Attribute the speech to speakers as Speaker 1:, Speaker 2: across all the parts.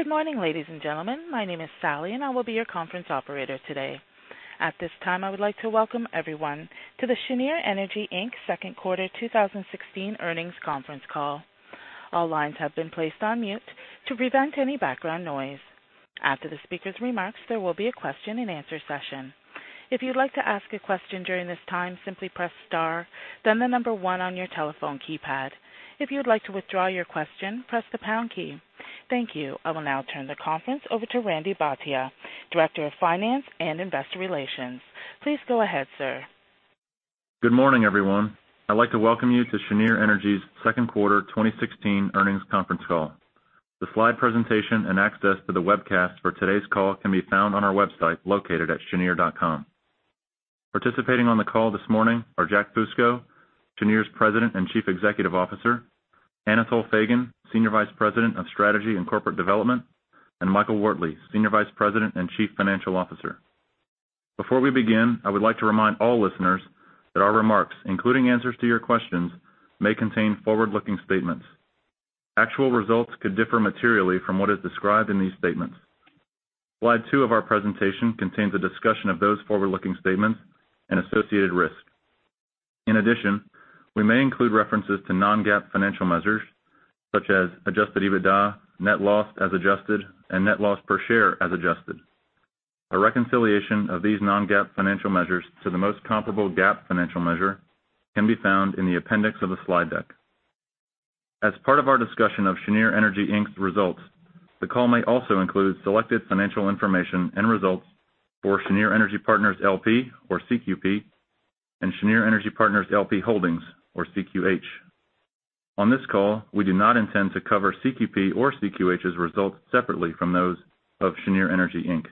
Speaker 1: Good morning, ladies and gentlemen. My name is Sally, and I will be your conference operator today. At this time, I would like to welcome everyone to the Cheniere Energy, Inc. Second Quarter 2016 Earnings Conference Call. All lines have been placed on mute to prevent any background noise. After the speaker's remarks, there will be a question and answer session. If you'd like to ask a question during this time, simply press star, then the number one on your telephone keypad. If you would like to withdraw your question, press the pound key. Thank you. I will now turn the conference over to Randy Bhatia, Director of Finance and Investor Relations. Please go ahead, sir.
Speaker 2: Good morning, everyone. I'd like to welcome you to Cheniere Energy's Second Quarter 2016 Earnings Conference Call. The slide presentation and access to the webcast for today's call can be found on our website, located at cheniere.com. Participating on the call this morning are Jack Fusco, Cheniere's President and Chief Executive Officer; Anatol Feygin, Senior Vice President of Strategy and Corporate Development; and Michael Wortley, Senior Vice President and Chief Financial Officer. Before we begin, I would like to remind all listeners that our remarks, including answers to your questions, may contain forward-looking statements. Actual results could differ materially from what is described in these statements. Slide two of our presentation contains a discussion of those forward-looking statements and associated risks. In addition, we may include references to non-GAAP financial measures such as adjusted EBITDA, net loss as adjusted, and net loss per share as adjusted. A reconciliation of these non-GAAP financial measures to the most comparable GAAP financial measure can be found in the appendix of the slide deck. As part of our discussion of Cheniere Energy, Inc.'s results, the call may also include selected financial information and results for Cheniere Energy Partners, L.P. or CQP, and Cheniere Energy Partners LP Holdings, LLC or CQH. On this call, we do not intend to cover CQP or CQH's results separately from those of Cheniere Energy, Inc.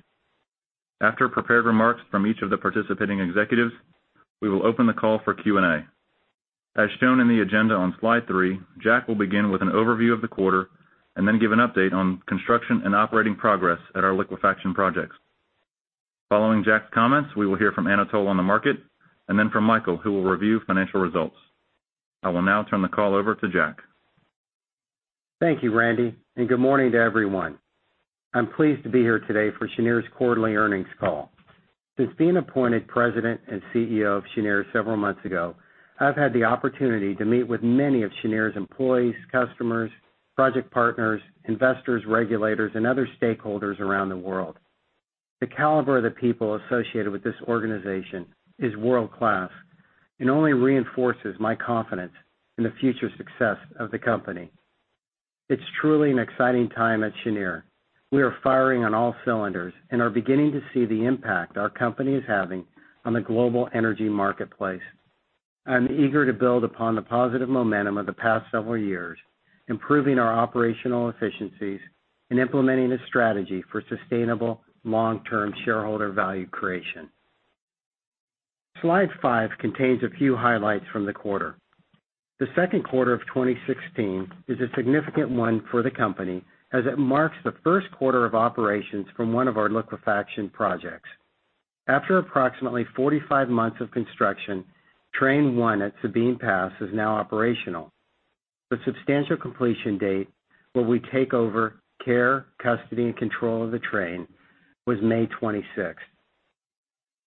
Speaker 2: After prepared remarks from each of the participating executives, we will open the call for Q&A. As shown in the agenda on slide three, Jack will begin with an overview of the quarter and then give an update on construction and operating progress at our liquefaction projects. Following Jack's comments, we will hear from Anatol on the market, and then from Michael, who will review financial results. I will now turn the call over to Jack.
Speaker 3: Thank you, Randy, and good morning to everyone. I am pleased to be here today for Cheniere's quarterly earnings call. Since being appointed President and CEO of Cheniere several months ago, I have had the opportunity to meet with many of Cheniere's employees, customers, project partners, investors, regulators, and other stakeholders around the world. The caliber of the people associated with this organization is world-class and only reinforces my confidence in the future success of the company. It is truly an exciting time at Cheniere. We are firing on all cylinders and are beginning to see the impact our company is having on the global energy marketplace. I am eager to build upon the positive momentum of the past several years, improving our operational efficiencies and implementing a strategy for sustainable long-term shareholder value creation. Slide five contains a few highlights from the quarter. The second quarter of 2016 is a significant one for the company as it marks the first quarter of operations from one of our liquefaction projects. After approximately 45 months of construction, Train 1 at Sabine Pass is now operational. The substantial completion date where we take over care, custody, and control of the train was May 26th.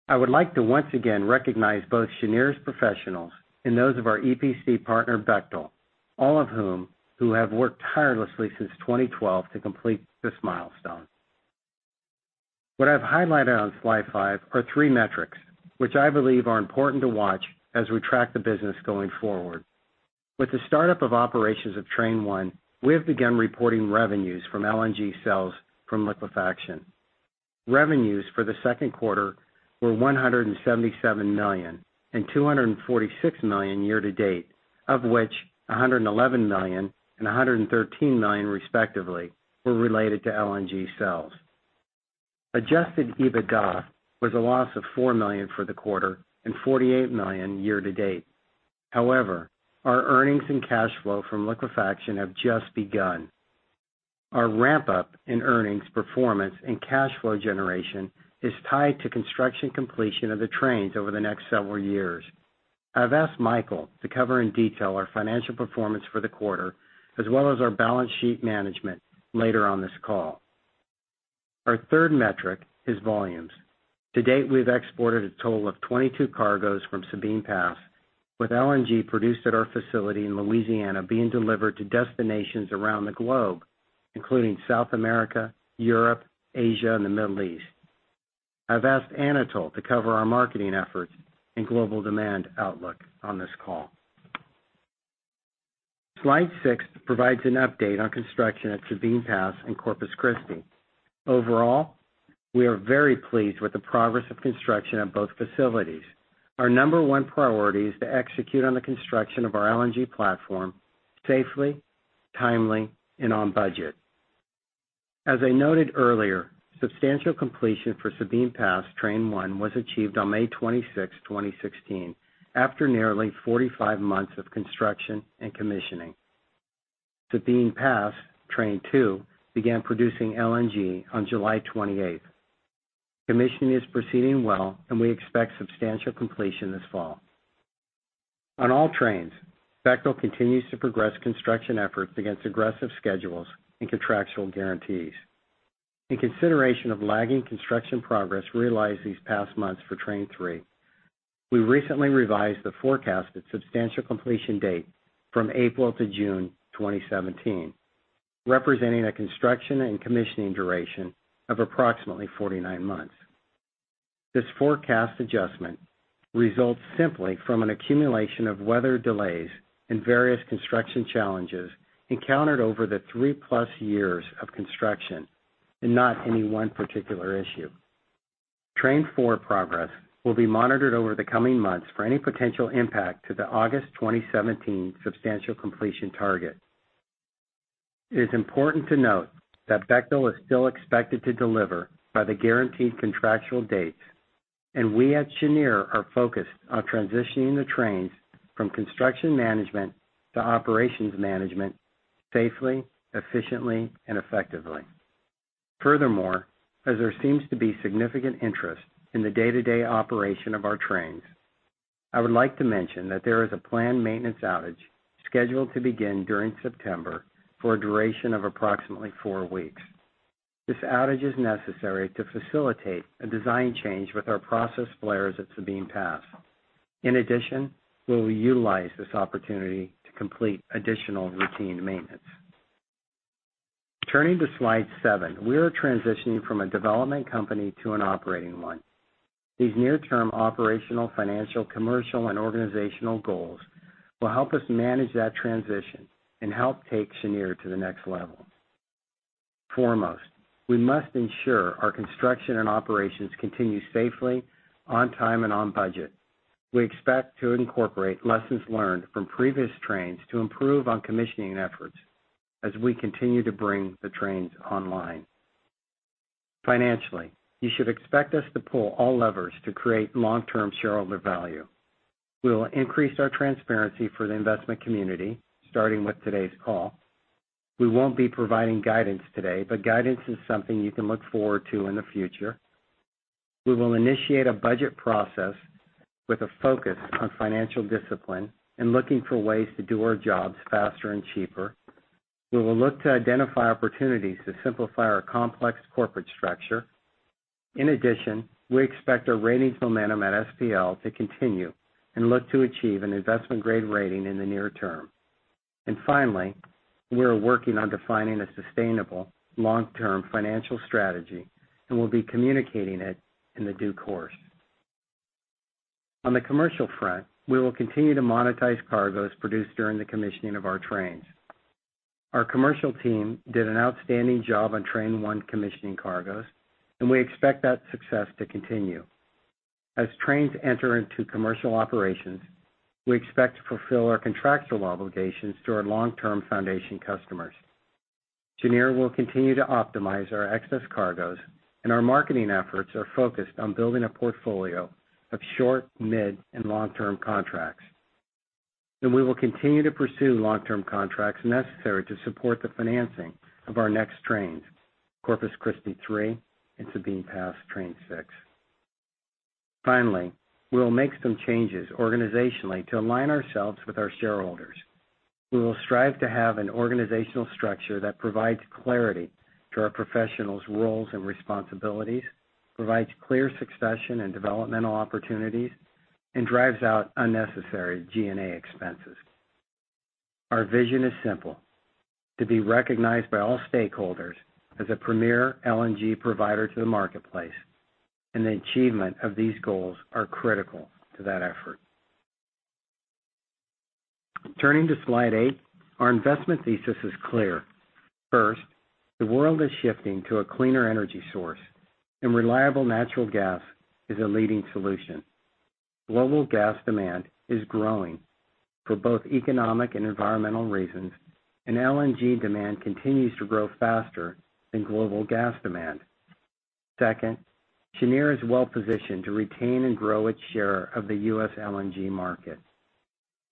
Speaker 3: I would like to once again recognize both Cheniere's professionals and those of our EPC partner, Bechtel, all of whom have worked tirelessly since 2012 to complete this milestone. What I have highlighted on slide five are three metrics, which I believe are important to watch as we track the business going forward. With the startup of operations of Train 1, we have begun reporting revenues from LNG sales from liquefaction. Revenues for the second quarter were $177 million and $246 million year-to-date, of which $111 million and $113 million respectively were related to LNG sales. Adjusted EBITDA was a loss of $4 million for the quarter and $48 million year-to-date. Our earnings and cash flow from liquefaction have just begun. Our ramp-up in earnings performance and cash flow generation is tied to construction completion of the trains over the next several years. I have asked Michael to cover in detail our financial performance for the quarter as well as our balance sheet management later on this call. Our third metric is volumes. To date, we have exported a total of 22 cargoes from Sabine Pass with LNG produced at our facility in Louisiana being delivered to destinations around the globe, including South America, Europe, Asia, and the Middle East. I have asked Anatol to cover our marketing efforts and global demand outlook on this call. Slide six provides an update on construction at Sabine Pass and Corpus Christi. Overall, we are very pleased with the progress of construction at both facilities. Our number one priority is to execute on the construction of our LNG platform safely, timely, and on budget. As I noted earlier, substantial completion for Sabine Pass Train 1 was achieved on May 26th, 2016, after nearly 45 months of construction and commissioning. Sabine Pass Train 2 began producing LNG on July 28th. Commissioning is proceeding well, and we expect substantial completion this fall. On all trains, Bechtel continues to progress construction efforts against aggressive schedules and contractual guarantees. In consideration of lagging construction progress realized these past months for Train 3, we recently revised the forecasted substantial completion date from April to June 2017, representing a construction and commissioning duration of approximately 49 months. This forecast adjustment results simply from an accumulation of weather delays and various construction challenges encountered over the three-plus years of construction and not any one particular issue. Train 4 progress will be monitored over the coming months for any potential impact to the August 2017 substantial completion target. It is important to note that Bechtel is still expected to deliver by the guaranteed contractual dates, and we at Cheniere are focused on transitioning the trains from construction management to operations management safely, efficiently, and effectively. As there seems to be significant interest in the day-to-day operation of our trains, I would like to mention that there is a planned maintenance outage scheduled to begin during September for a duration of approximately four weeks. This outage is necessary to facilitate a design change with our process flares at Sabine Pass. In addition, we will utilize this opportunity to complete additional routine maintenance. Turning to slide seven. We are transitioning from a development company to an operating one. These near-term operational, financial, commercial, and organizational goals will help us manage that transition and help take Cheniere to the next level. Foremost, we must ensure our construction and operations continue safely, on time, and on budget. We expect to incorporate lessons learned from previous trains to improve on commissioning efforts as we continue to bring the trains online. Financially, you should expect us to pull all levers to create long-term shareholder value. We'll increase our transparency for the investment community, starting with today's call. We won't be providing guidance today, but guidance is something you can look forward to in the future. We will initiate a budget process with a focus on financial discipline and looking for ways to do our jobs faster and cheaper. We will look to identify opportunities to simplify our complex corporate structure. In addition, we expect our ratings momentum at SPL to continue and look to achieve an investment-grade rating in the near term. Finally, we are working on defining a sustainable long-term financial strategy and will be communicating it in the due course. On the commercial front, we will continue to monetize cargoes produced during the commissioning of our trains. Our commercial team did an outstanding job on Train 1 commissioning cargoes. We expect that success to continue. As trains enter into commercial operations, we expect to fulfill our contractual obligations to our long-term foundation customers. Cheniere will continue to optimize our excess cargoes. Our marketing efforts are focused on building a portfolio of short, mid, and long-term contracts. We will continue to pursue long-term contracts necessary to support the financing of our next trains, Corpus Christi 3 and Sabine Pass Train 6. Finally, we'll make some changes organizationally to align ourselves with our shareholders. We will strive to have an organizational structure that provides clarity to our professionals' roles and responsibilities, provides clear succession and developmental opportunities, and drives out unnecessary G&A expenses. Our vision is simple, to be recognized by all stakeholders as a premier LNG provider to the marketplace. The achievement of these goals are critical to that effort. Turning to slide eight. Our investment thesis is clear. First, the world is shifting to a cleaner energy source. Reliable natural gas is a leading solution. Global gas demand is growing for both economic and environmental reasons. LNG demand continues to grow faster than global gas demand. Second, Cheniere is well-positioned to retain and grow its share of the U.S. LNG market.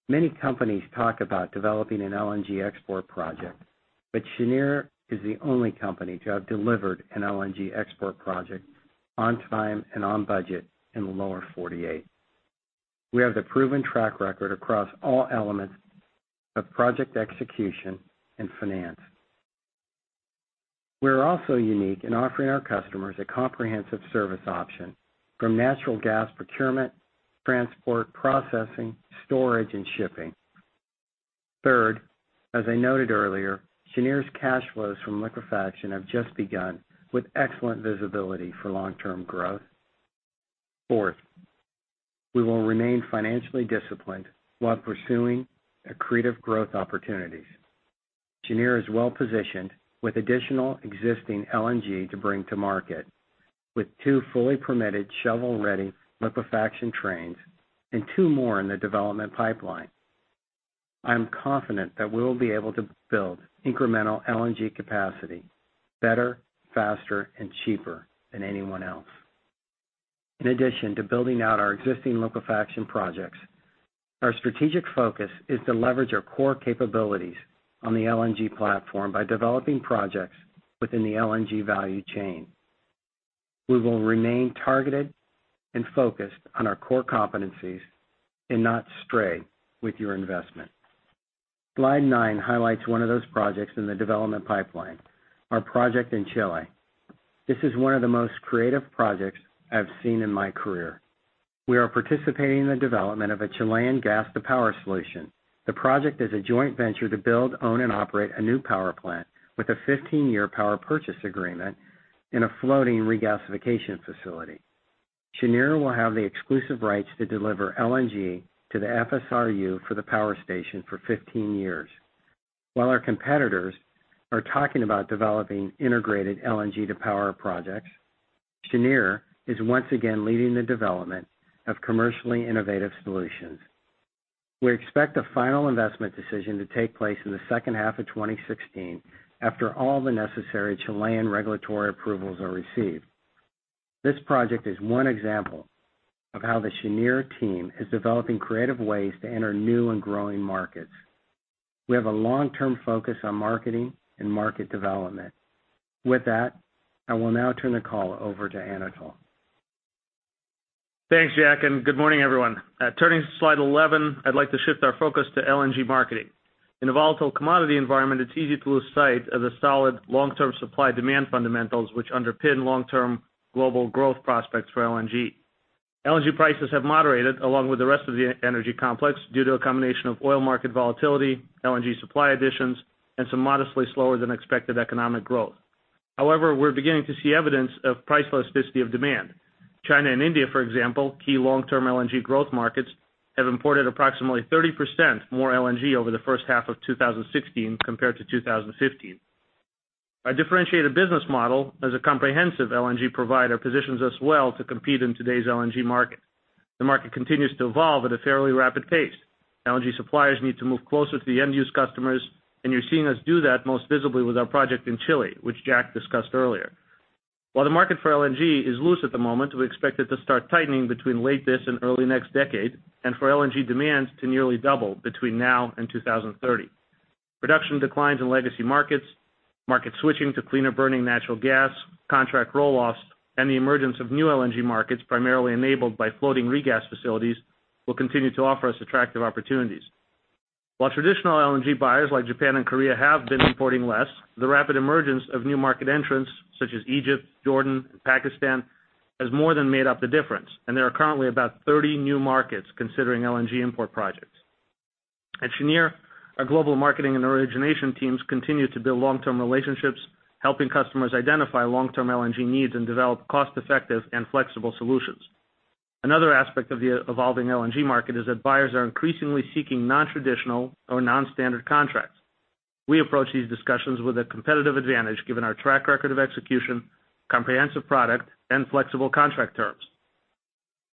Speaker 3: Many companies talk about developing an LNG export project, but Cheniere is the only company to have delivered an LNG export project on time and on budget in the Lower 48. We have the proven track record across all elements of project execution and finance. We're also unique in offering our customers a comprehensive service option from natural gas procurement, transport, processing, storage, and shipping. Third, as I noted earlier, Cheniere's cash flows from liquefaction have just begun with excellent visibility for long-term growth. Fourth, we will remain financially disciplined while pursuing accretive growth opportunities. Cheniere is well-positioned with additional existing LNG to bring to market with two fully permitted shovel-ready liquefaction trains and two more in the development pipeline. I'm confident that we'll be able to build incremental LNG capacity better, faster, and cheaper than anyone else. In addition to building out our existing liquefaction projects, our strategic focus is to leverage our core capabilities on the LNG platform by developing projects within the LNG value chain. We will remain targeted and focused on our core competencies and not stray with your investment. Slide nine highlights one of those projects in the development pipeline, our project in Chile. This is one of the most creative projects I've seen in my career. We are participating in the development of a Chilean gas-to-power solution. The project is a joint venture to build, own, and operate a new power plant with a 15-year power purchase agreement in a floating regasification facility. Cheniere will have the exclusive rights to deliver LNG to the FSRU for the power station for 15 years. While our competitors are talking about developing integrated LNG to power projects, Cheniere is once again leading the development of commercially innovative solutions. We expect a final investment decision to take place in the second half of 2016 after all the necessary Chilean regulatory approvals are received. This project is one example of how the Cheniere team is developing creative ways to enter new and growing markets. We have a long-term focus on marketing and market development. With that, I will now turn the call over to Anatol.
Speaker 4: Thanks, Jack, and good morning, everyone. Turning to slide 11, I'd like to shift our focus to LNG marketing. In a volatile commodity environment, it's easy to lose sight of the solid long-term supply-demand fundamentals which underpin long-term global growth prospects for LNG. LNG prices have moderated along with the rest of the energy complex due to a combination of oil market volatility, LNG supply additions, and some modestly slower than expected economic growth. However, we're beginning to see evidence of price elasticity of demand. China and India, for example, key long-term LNG growth markets, have imported approximately 30% more LNG over the first half of 2016 compared to 2015. Our differentiated business model as a comprehensive LNG provider positions us well to compete in today's LNG market. The market continues to evolve at a fairly rapid pace. LNG suppliers need to move closer to the end-use customers, and you're seeing us do that most visibly with our project in Chile, which Jack discussed earlier. While the market for LNG is loose at the moment, we expect it to start tightening between late this and early next decade, and for LNG demand to nearly double between now and 2030. Production declines in legacy markets, market switching to cleaner-burning natural gas, contract roll-offs, and the emergence of new LNG markets, primarily enabled by floating regas facilities, will continue to offer us attractive opportunities. While traditional LNG buyers like Japan and Korea have been importing less, the rapid emergence of new market entrants such as Egypt, Jordan, and Pakistan has more than made up the difference, and there are currently about 30 new markets considering LNG import projects. At Cheniere, our global marketing and origination teams continue to build long-term relationships, helping customers identify long-term LNG needs and develop cost-effective and flexible solutions. Another aspect of the evolving LNG market is that buyers are increasingly seeking non-traditional or non-standard contracts. We approach these discussions with a competitive advantage given our track record of execution, comprehensive product, and flexible contract terms.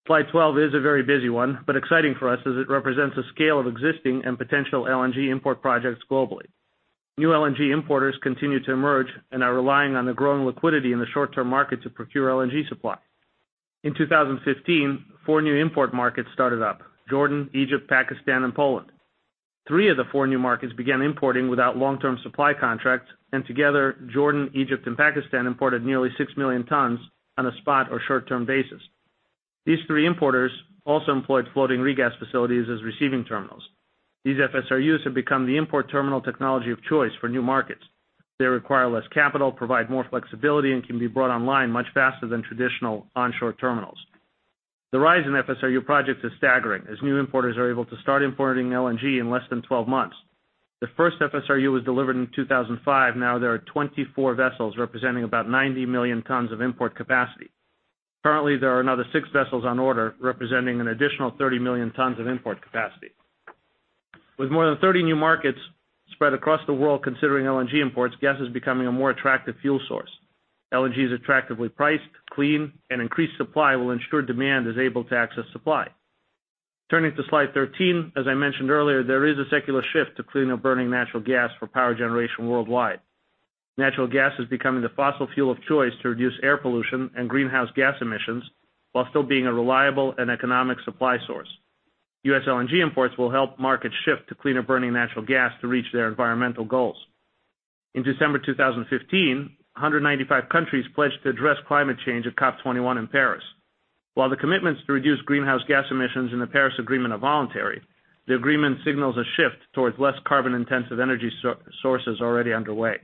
Speaker 4: Slide 12 is a very busy one, but exciting for us as it represents the scale of existing and potential LNG import projects globally. New LNG importers continue to emerge and are relying on the growing liquidity in the short-term market to procure LNG supply. In 2015, four new import markets started up: Jordan, Egypt, Pakistan, and Poland. Three of the four new markets began importing without long-term supply contracts, and together, Jordan, Egypt, and Pakistan imported nearly six million tons on a spot or short-term basis. These three importers also employed floating regas facilities as receiving terminals. These FSRUs have become the import terminal technology of choice for new markets. They require less capital, provide more flexibility, and can be brought online much faster than traditional onshore terminals. The rise in FSRU projects is staggering, as new importers are able to start importing LNG in less than 12 months. The first FSRU was delivered in 2005. Now there are 24 vessels representing about 90 million tons of import capacity. Currently, there are another six vessels on order, representing an additional 30 million tons of import capacity. With more than 30 new markets spread across the world considering LNG imports, gas is becoming a more attractive fuel source. LNG is attractively priced, clean, and increased supply will ensure demand is able to access supply. Turning to slide 13, as I mentioned earlier, there is a secular shift to cleaner-burning natural gas for power generation worldwide. Natural gas is becoming the fossil fuel of choice to reduce air pollution and greenhouse gas emissions while still being a reliable and economic supply source. U.S. LNG imports will help markets shift to cleaner-burning natural gas to reach their environmental goals. In December 2015, 195 countries pledged to address climate change at COP21 in Paris. While the commitments to reduce greenhouse gas emissions in the Paris Agreement are voluntary, the agreement signals a shift towards less carbon-intensive energy sources already underway.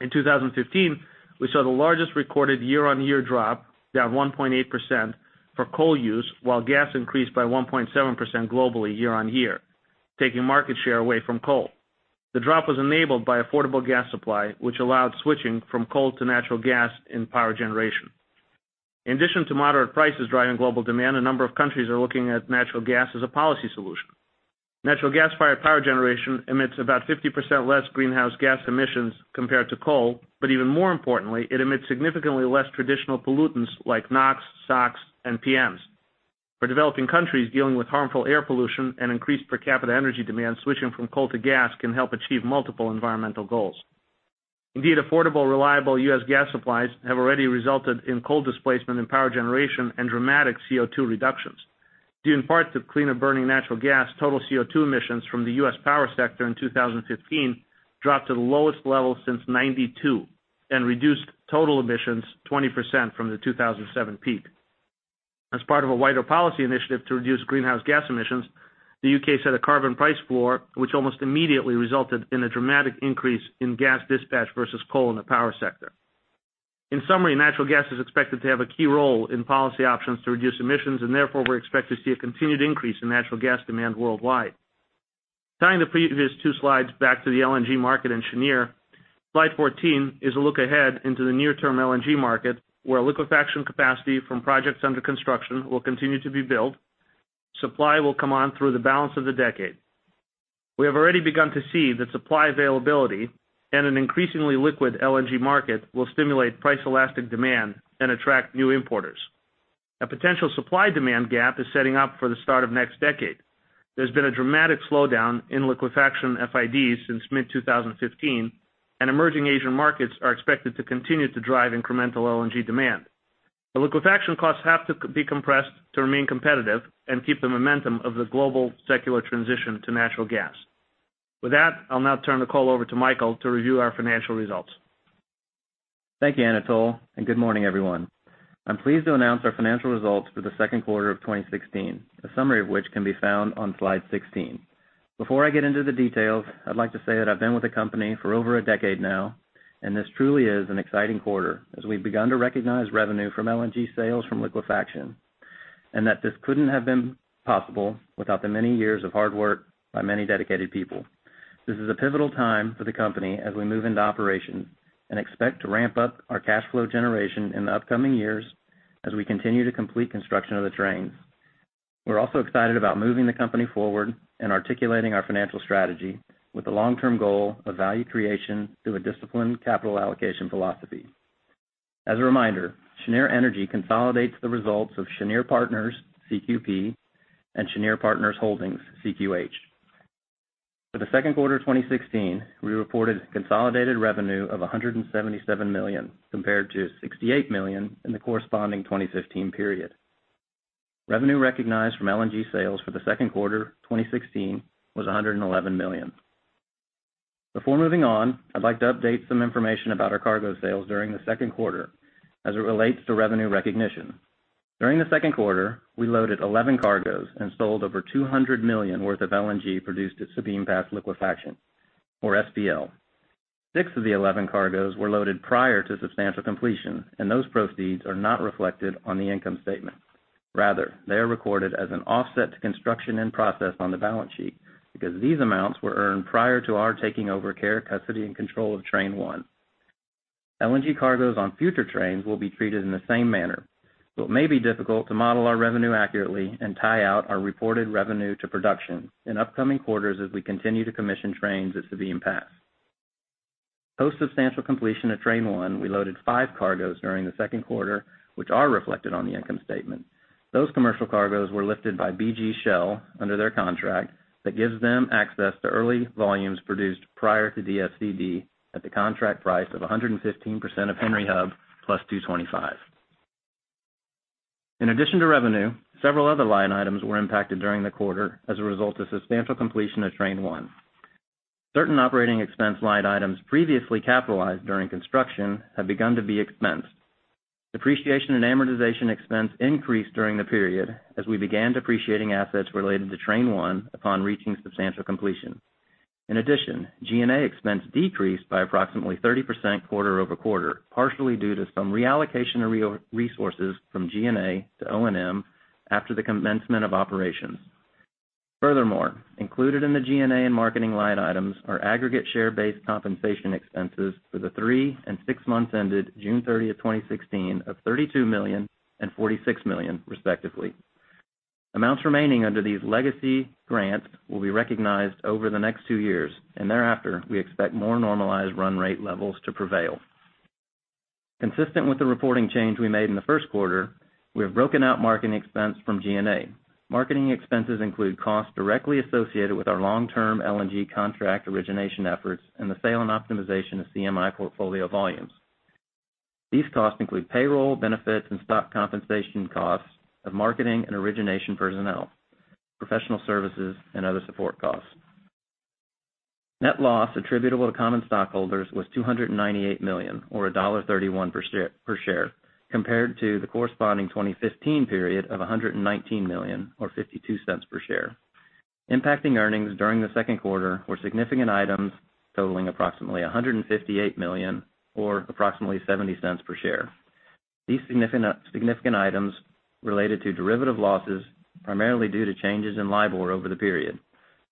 Speaker 4: In 2015, we saw the largest recorded year-on-year drop, down 1.8%, for coal use, while gas increased by 1.7% globally year-on-year, taking market share away from coal. The drop was enabled by affordable gas supply, which allowed switching from coal to natural gas in power generation. In addition to moderate prices driving global demand, a number of countries are looking at natural gas as a policy solution. Natural gas-fired power generation emits about 50% less greenhouse gas emissions compared to coal, but even more importantly, it emits significantly less traditional pollutants like NOx, SOx, and PM. For developing countries dealing with harmful air pollution and increased per capita energy demand, switching from coal to gas can help achieve multiple environmental goals. Indeed, affordable, reliable U.S. gas supplies have already resulted in coal displacement in power generation and dramatic CO2 reductions. Due in part to cleaner-burning natural gas, total CO2 emissions from the U.S. power sector in 2015 dropped to the lowest level since 1992 and reduced total emissions 20% from the 2007 peak. As part of a wider policy initiative to reduce greenhouse gas emissions, the U.K. set a carbon price floor, which almost immediately resulted in a dramatic increase in gas dispatch versus coal in the power sector. In summary, natural gas is expected to have a key role in policy options to reduce emissions, and therefore, we expect to see a continued increase in natural gas demand worldwide. Tying the previous two slides back to the LNG market and Cheniere, slide 14 is a look ahead into the near-term LNG market, where liquefaction capacity from projects under construction will continue to be built. Supply will come on through the balance of the decade. We have already begun to see that supply availability and an increasingly liquid LNG market will stimulate price-elastic demand and attract new importers. A potential supply-demand gap is setting up for the start of next decade. There's been a dramatic slowdown in liquefaction FIDs since mid-2015. Emerging Asian markets are expected to continue to drive incremental LNG demand. The liquefaction costs have to be compressed to remain competitive and keep the momentum of the global secular transition to natural gas. With that, I'll now turn the call over to Michael to review our financial results.
Speaker 5: Thank you, Anatol, and good morning, everyone. I am pleased to announce our financial results for the second quarter of 2016, a summary of which can be found on slide 16. Before I get into the details, I would like to say that I have been with the company for over a decade now, and this truly is an exciting quarter as we have begun to recognize revenue from LNG sales from liquefaction, and that this couldn't have been possible without the many years of hard work by many dedicated people. This is a pivotal time for the company as we move into operations and expect to ramp up our cash flow generation in the upcoming years as we continue to complete construction of the trains. We are also excited about moving the company forward and articulating our financial strategy with the long-term goal of value creation through a disciplined capital allocation philosophy. As a reminder, Cheniere Energy consolidates the results of Cheniere Partners, CQP, and Cheniere Partners Holdings, CQH. For the second quarter of 2016, we reported consolidated revenue of $177 million, compared to $68 million in the corresponding 2015 period. Revenue recognized from LNG sales for the second quarter 2016 was $111 million. Before moving on, I would like to update some information about our cargo sales during the second quarter as it relates to revenue recognition. During the second quarter, we loaded 11 cargoes and sold over $200 million worth of LNG produced at Sabine Pass liquefaction or SPL. Six of the 11 cargoes were loaded prior to substantial completion, and those proceeds are not reflected on the income statement. Rather, they are recorded as an offset to construction in process on the balance sheet because these amounts were earned prior to our taking over care, custody, and control of Train 1. LNG cargoes on future trains will be treated in the same manner, so it may be difficult to model our revenue accurately and tie out our reported revenue to production in upcoming quarters as we continue to commission trains at Sabine Pass. Post substantial completion at Train 1, we loaded five cargoes during the second quarter, which are reflected on the income statement. Those commercial cargoes were lifted by BG/Shell under their contract that gives them access to early volumes produced prior to DSCD at the contract price of 115% of Henry Hub plus $2.25. In addition to revenue, several other line items were impacted during the quarter as a result of substantial completion of Train 1. Certain operating expense line items previously capitalized during construction have begun to be expensed. Depreciation and amortization expense increased during the period as we began depreciating assets related to Train 1 upon reaching substantial completion. In addition, G&A expense decreased by approximately 30% quarter-over-quarter, partially due to some reallocation of resources from G&A to O&M after the commencement of operations. Furthermore, included in the G&A and marketing line items are aggregate share-based compensation expenses for the three and six months ended June 30th, 2016 of $32 million and $46 million, respectively. Amounts remaining under these legacy grants will be recognized over the next two years, and thereafter, we expect more normalized run rate levels to prevail. Consistent with the reporting change we made in the first quarter, we have broken out marketing expense from G&A. Marketing expenses include costs directly associated with our long-term LNG contract origination efforts and the sale and optimization of CMI portfolio volumes. These costs include payroll, benefits, and stock compensation costs of marketing and origination personnel, professional services, and other support costs. Net loss attributable to common stockholders was $298 million, or $1.31 per share, compared to the corresponding 2015 period of $119 million, or $0.52 per share. Impacting earnings during the second quarter were significant items totaling approximately $158 million, or approximately $0.70 per share. These significant items related to derivative losses, primarily due to changes in LIBOR over the period,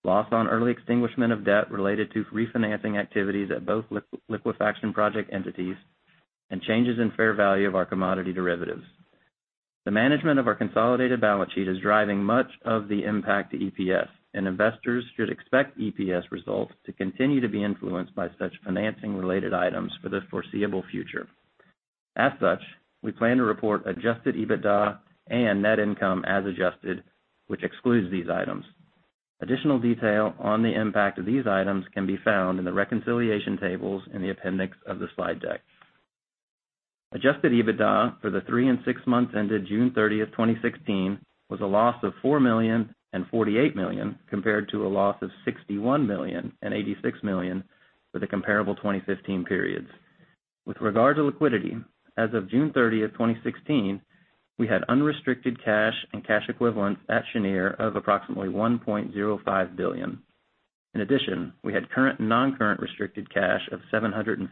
Speaker 5: loss on early extinguishment of debt related to refinancing activities at both liquefaction project entities, and changes in fair value of our commodity derivatives. The management of our consolidated balance sheet is driving much of the impact to EPS. Investors should expect EPS results to continue to be influenced by such financing-related items for the foreseeable future. As such, we plan to report adjusted EBITDA and net income as adjusted, which excludes these items. Additional detail on the impact of these items can be found in the reconciliation tables in the appendix of the slide deck. Adjusted EBITDA for the three and six months ended June 30th, 2016, was a loss of $4 million and $48 million compared to a loss of $61 million and $86 million for the comparable 2015 periods. With regard to liquidity, as of June 30th, 2016, we had unrestricted cash and cash equivalents at Cheniere of approximately $1.05 billion. In addition, we had current non-current restricted cash of $756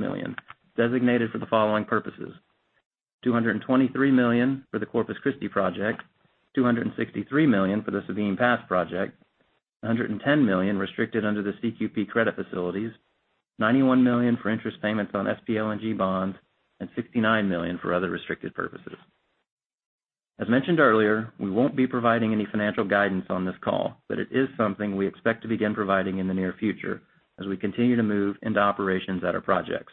Speaker 5: million designated for the following purposes: $223 million for the Corpus Christi project, $263 million for the Sabine Pass project, $110 million restricted under the CQP credit facilities, $91 million for interest payments on SPLNG bonds, and $69 million for other restricted purposes. As mentioned earlier, we won't be providing any financial guidance on this call, it is something we expect to begin providing in the near future as we continue to move into operations at our projects.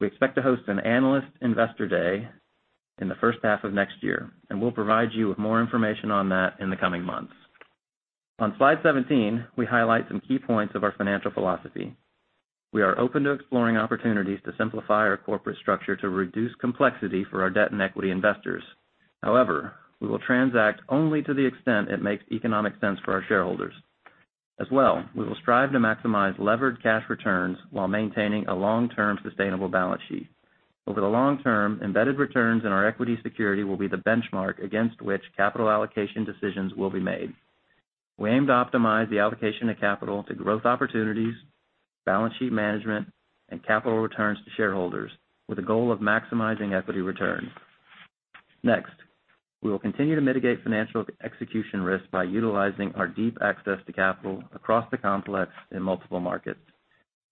Speaker 5: We expect to host an analyst investor day in the first half of next year. We'll provide you with more information on that in the coming months. On slide 17, we highlight some key points of our financial philosophy. We are open to exploring opportunities to simplify our corporate structure to reduce complexity for our debt and equity investors. However, we will transact only to the extent it makes economic sense for our shareholders. As well, we will strive to maximize levered cash returns while maintaining a long-term sustainable balance sheet. Over the long term, embedded returns in our equity security will be the benchmark against which capital allocation decisions will be made. We aim to optimize the allocation of capital to growth opportunities, balance sheet management, and capital returns to shareholders with the goal of maximizing equity returns. Next, we will continue to mitigate financial execution risk by utilizing our deep access to capital across the complex in multiple markets.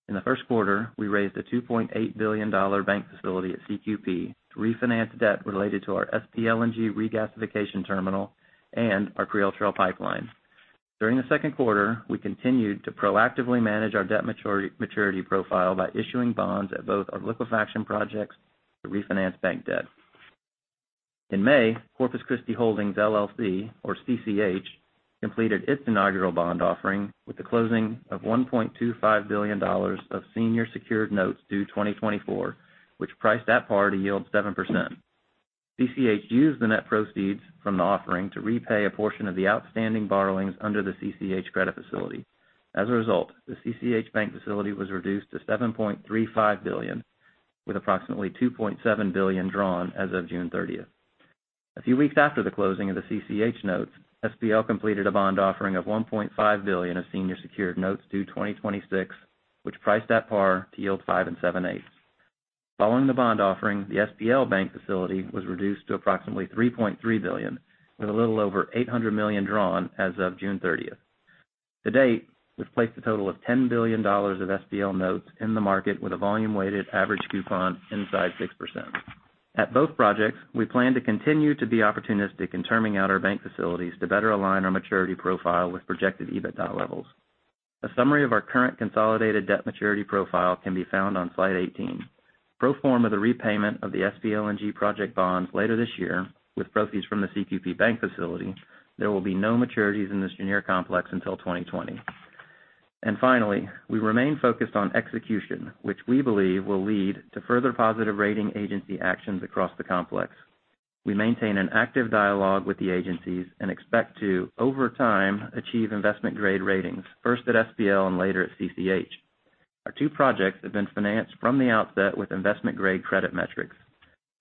Speaker 5: In the first quarter, we raised a $2.8 billion bank facility at CQP to refinance debt related to our SPLNG regasification terminal and our Creole Trail pipeline. During the second quarter, we continued to proactively manage our debt maturity profile by issuing bonds at both our liquefaction projects to refinance bank debt. In May, Cheniere Corpus Christi Holdings, LLC, or CCH, completed its inaugural bond offering with the closing of $1.25 billion of senior secured notes due 2024, which priced at par to yield 7%. CCH used the net proceeds from the offering to repay a portion of the outstanding borrowings under the CCH credit facility. As a result, the CCH bank facility was reduced to $7.35 billion, with approximately $2.7 billion drawn as of June 30th. A few weeks after the closing of the CCH notes, SPL completed a bond offering of $1.5 billion of senior secured notes due 2026, which priced at par to yield five and seven eighths. Following the bond offering, the SPL bank facility was reduced to approximately $3.3 billion, with a little over $800 million drawn as of June 30th. To date, we've placed a total of $10 billion of SPL notes in the market with a volume-weighted average coupon inside 6%. At both projects, we plan to continue to be opportunistic in terming out our bank facilities to better align our maturity profile with projected EBITDA levels. A summary of our current consolidated debt maturity profile can be found on slide 18. Pro forma the repayment of the SPLNG project bonds later this year, with proceeds from the CQP bank facility, there will be no maturities in the Cheniere complex until 2020. Finally, we remain focused on execution, which we believe will lead to further positive rating agency actions across the complex. We maintain an active dialogue with the agencies and expect to, over time, achieve investment-grade ratings, first at SPL and later at CCH. Our two projects have been financed from the outset with investment-grade credit metrics.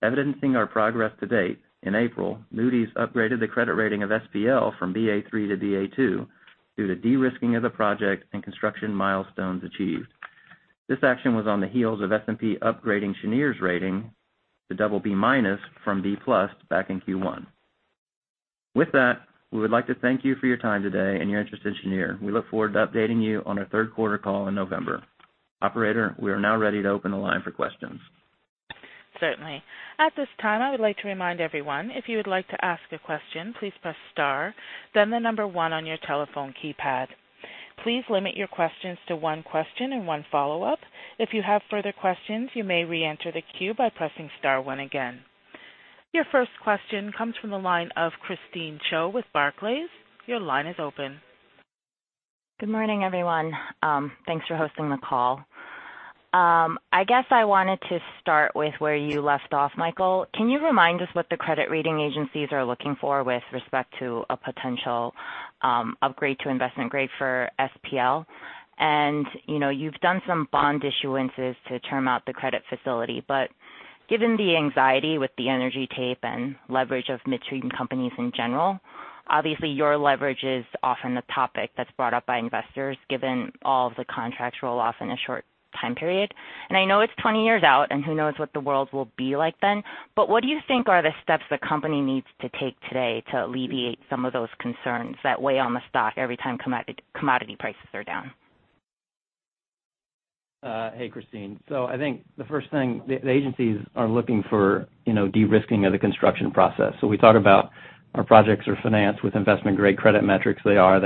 Speaker 5: Evidencing our progress to date, in April, Moody's upgraded the credit rating of SPL from Ba3 to Ba2 due to de-risking of the project and construction milestones achieved. This action was on the heels of S&P upgrading Cheniere's rating to double B minus from B plus back in Q1. With that, we would like to thank you for your time today and your interest in Cheniere. We look forward to updating you on our third quarter call in November. Operator, we are now ready to open the line for questions.
Speaker 1: Certainly. At this time, I would like to remind everyone, if you would like to ask a question, please press star, then the number one on your telephone keypad. Please limit your questions to one question and one follow-up. If you have further questions, you may reenter the queue by pressing star one again. Your first question comes from the line of Christine Cho with Barclays. Your line is open.
Speaker 6: Good morning, everyone. Thanks for hosting the call. I guess I wanted to start with where you left off, Michael. Can you remind us what the credit rating agencies are looking for with respect to a potential upgrade to investment grade for SPL? You've done some bond issuances to term out the credit facility, given the anxiety with the energy tape and leverage of midstream companies in general, obviously, your leverage is often the topic that's brought up by investors given all of the contracts roll off in a short time period. I know it's 20 years out, and who knows what the world will be like then, what do you think are the steps the company needs to take today to alleviate some of those concerns that weigh on the stock every time commodity prices are down?
Speaker 5: Hey, Christine. I think the first thing the agencies are looking for de-risking of the construction process. We thought about our projects are financed with investment-grade credit metrics. They are.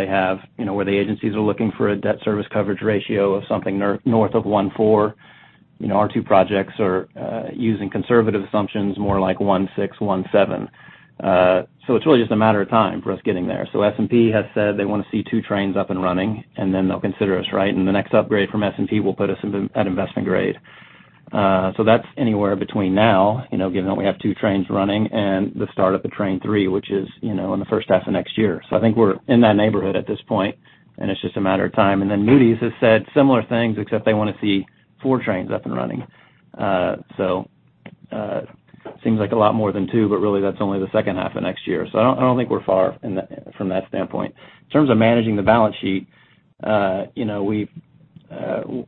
Speaker 5: Where the agencies are looking for a debt service coverage ratio of something north of 1.4, our two projects are using conservative assumptions, more like 1.6, 1.7. It's really just a matter of time for us getting there. S&P has said they want to see two trains up and running, and then they'll consider us. The next upgrade from S&P will put us at investment grade. That's anywhere between now, given that we have two trains running, and the start of the train 3, which is in the first half of next year. I think we're in that neighborhood at this point, and it's just a matter of time. Moody's has said similar things, except they want to see four trains up and running. Seems like a lot more than two, but really that's only the second half of next year. I don't think we're far from that standpoint. In terms of managing the balance sheet,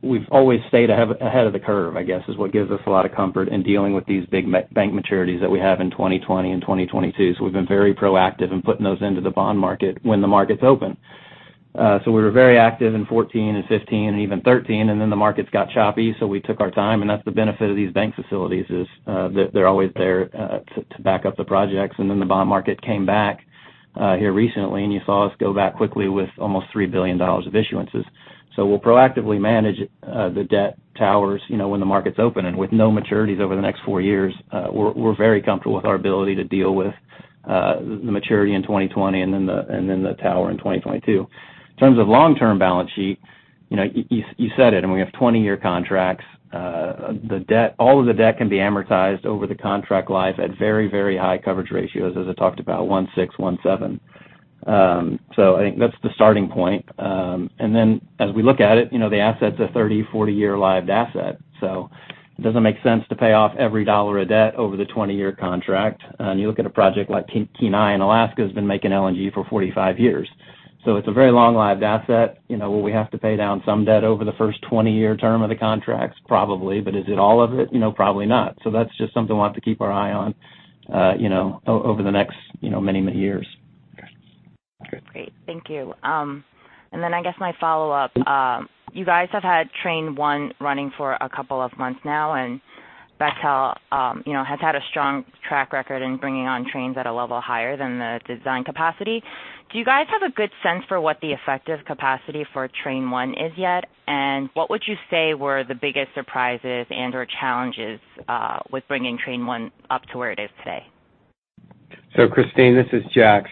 Speaker 5: we've always stayed ahead of the curve, I guess is what gives us a lot of comfort in dealing with these big bank maturities that we have in 2020 and 2022. We've been very proactive in putting those into the bond market when the market's open. We were very active in 2014 and 2015 and even 2013, and then the markets got choppy, so we took our time, and that's the benefit of these bank facilities, is that they're always there to back up the projects. The bond market came back here recently, and you saw us go back quickly with almost $3 billion of issuances. We'll proactively manage the debt towers when the market's open and with no maturities over the next four years. We're very comfortable with our ability to deal with the maturity in 2020 and then the tower in 2022. In terms of long-term balance sheet, you said it. We have 20-year contracts. All of the debt can be amortized over the contract life at very, very high coverage ratios. As I talked about one six, one seven. I think that's the starting point. As we look at it, the asset's a 30, 40-year lived asset. It doesn't make sense to pay off every dollar of debt over the 20-year contract. You look at a project like Kenai in Alaska has been making LNG for 45 years. It's a very long-lived asset. Will we have to pay down some debt over the first 20-year term of the contracts? Probably. Is it all of it? No, probably not. That's just something we'll have to keep our eye on over the next many, many years.
Speaker 6: Great. Thank you. I guess my follow-up, you guys have had Train 1 running for a couple of months now. Bechtel has had a strong track record in bringing on Trains at a level higher than the design capacity. Do you guys have a good sense for what the effective capacity for Train 1 is yet? What would you say were the biggest surprises and/or challenges with bringing Train 1 up to where it is today?
Speaker 3: Christine, this is Jack.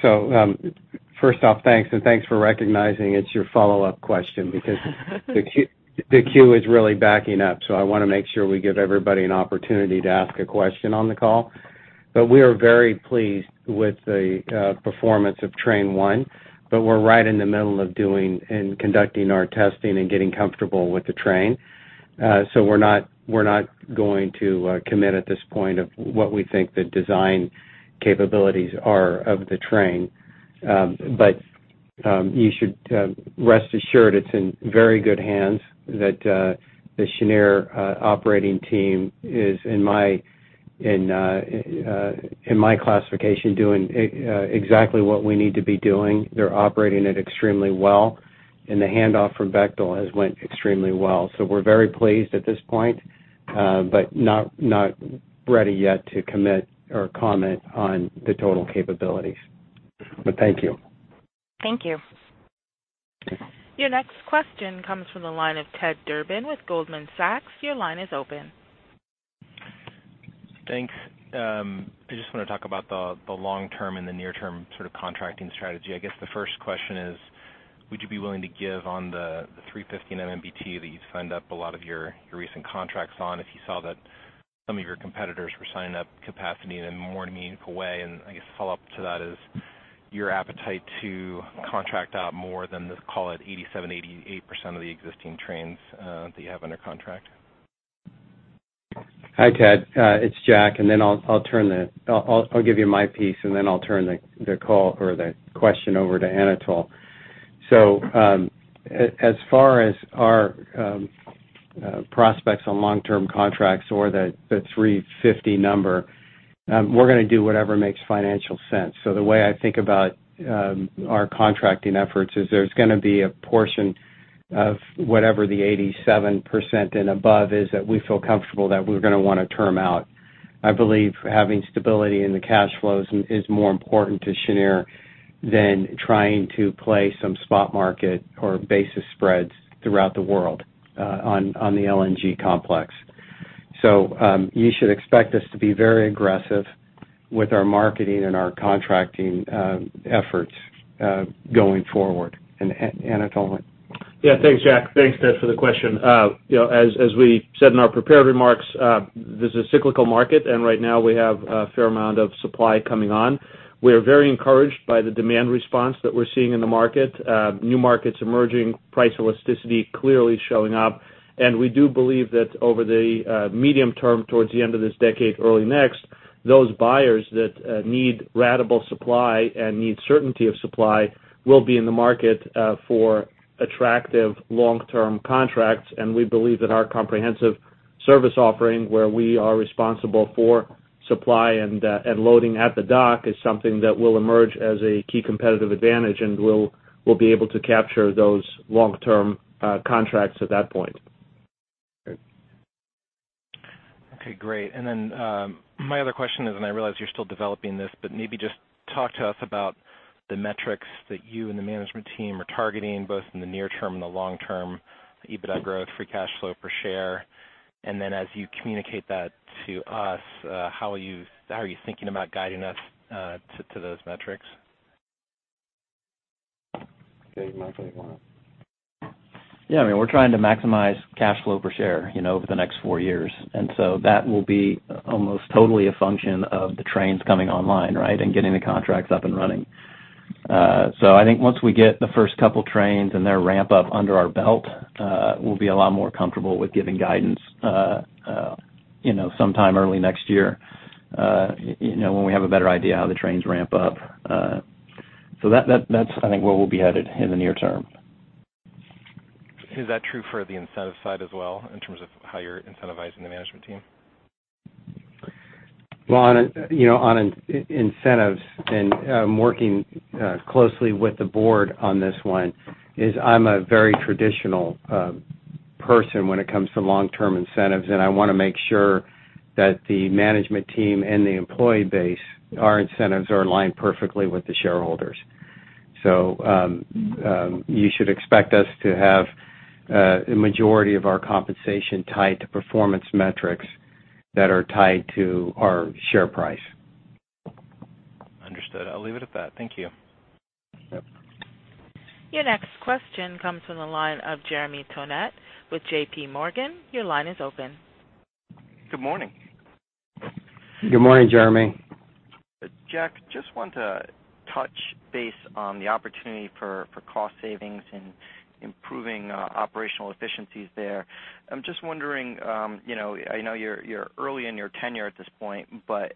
Speaker 3: First off, thanks, and thanks for recognizing it's your follow-up question because the queue is really backing up. I want to make sure we give everybody an opportunity to ask a question on the call. We are very pleased with the performance of Train 1, but we're right in the middle of doing and conducting our testing and getting comfortable with the train. We're not going to commit at this point of what we think the design capabilities are of the train. You should rest assured it's in very good hands that the Cheniere operating team is, in my classification, doing exactly what we need to be doing. They're operating it extremely well. The handoff from Bechtel has went extremely well. We're very pleased at this point. Not ready yet to commit or comment on the total capabilities. Thank you.
Speaker 6: Thank you.
Speaker 1: Your next question comes from the line of Ted Durbin with Goldman Sachs. Your line is open.
Speaker 7: Thanks. I just want to talk about the long-term and the near-term sort of contracting strategy. I guess the first question is, would you be willing to give on the [$3.50/MMBtu] that you'd signed up a lot of your recent contracts on if you saw that some of your competitors were signing up capacity in a more meaningful way? I guess follow-up to that is your appetite to contract out more than the, call it 87%-88% of the existing trains that you have under contract.
Speaker 3: Hi, Ted. It's Jack. I'll give you my piece. I'll turn the call or the question over to Anatol. As far as our prospects on long-term contracts or the 350 number, we're going to do whatever makes financial sense. The way I think about our contracting efforts is there's going to be a portion of whatever the 87% and above is that we feel comfortable that we're going to want to term out. I believe having stability in the cash flows is more important to Cheniere than trying to play some spot market or basis spreads throughout the world on the LNG complex. You should expect us to be very aggressive with our marketing and our contracting efforts going forward. Anatol?
Speaker 4: Yeah. Thanks, Jack. Thanks, Ted, for the question. As we said in our prepared remarks, this is a cyclical market. Right now, we have a fair amount of supply coming on. We are very encouraged by the demand response that we're seeing in the market. New markets emerging, price elasticity clearly showing up. We do believe that over the medium term, towards the end of this decade, early next, those buyers that need ratable supply and need certainty of supply will be in the market for attractive long-term contracts. We believe that our comprehensive service offering where we are responsible for supply and loading at the dock is something that will emerge as a key competitive advantage. We'll be able to capture those long-term contracts at that point.
Speaker 3: Great.
Speaker 7: Okay, great. My other question is. I realize you're still developing this, but maybe just talk to us about the metrics that you and the management team are targeting, both in the near term and the long term, EBITDA growth, free cash flow per share. As you communicate that to us, how are you thinking about guiding us to those metrics?
Speaker 3: Okay, Michael, you want to?
Speaker 5: Yeah. We're trying to maximize cash flow per share over the next four years. That will be almost totally a function of the trains coming online, right? Getting the contracts up and running. I think once we get the first couple trains and their ramp up under our belt, we'll be a lot more comfortable with giving guidance, sometime early next year, when we have a better idea how the trains ramp up. That's, I think, where we'll be headed in the near term.
Speaker 7: Is that true for the incentive side as well, in terms of how you're incentivizing the management team?
Speaker 3: Well, on incentives and working closely with the Board on this one is I'm a very traditional person when it comes to long-term incentives, and I want to make sure that the management team and the employee base, our incentives are aligned perfectly with the shareholders. You should expect us to have a majority of our compensation tied to performance metrics that are tied to our share price.
Speaker 7: Understood. I'll leave it at that. Thank you.
Speaker 3: Yep.
Speaker 1: Your next question comes from the line of Jeremy Tonet with J.P. Morgan. Your line is open.
Speaker 8: Good morning.
Speaker 3: Good morning, Jeremy.
Speaker 8: Jack, just wanted to touch base on the opportunity for cost savings and improving operational efficiencies there. I'm just wondering, I know you're early in your tenure at this point, but